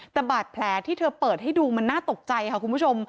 แต่บาดแผลที่เธอเปิดให้ดูมันน่าตกใจค่ะคุณผู้ชม